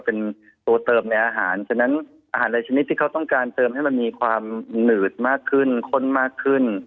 เป็นตัวเติมในอาหารฉะนั้นอาหารหลายชนิดที่เขาต้องการเติมให้มันมีความหนืดมากขึ้นข้นมากขึ้น